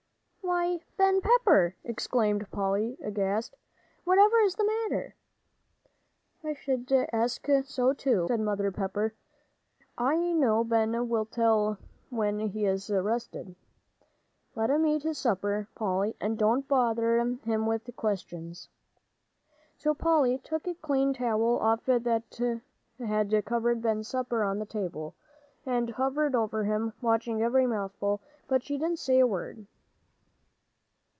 "Why, Ben Pepper!" exclaimed Polly, aghast, "whatever is the matter?" "I should ask so, too," said Mother Pepper, "only I know Ben will tell when he is rested. Let him eat his supper, Polly, and don't bother him with questions." So Polly took off the clean towel that had covered Ben's supper on the table, and hovered over him, watching every mouthful. But she didn't say a word.